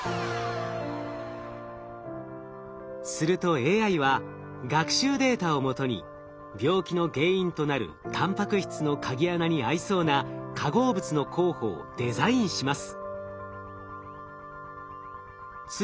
するとＡＩは学習データをもとに病気の原因となるたんぱく質の鍵穴に合いそうな化合物の候補をデザインします。